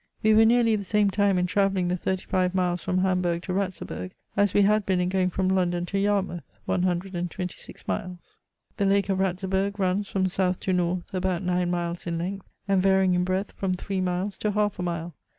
We were nearly the same time in travelling the thirty five miles from Hamburg to Ratzeburg, as we had been in going from London to Yarmouth, one hundred and twenty six miles. The lake of Ratzeburg runs from south to north, about nine miles in length, and varying in breadth from three miles to half a mile.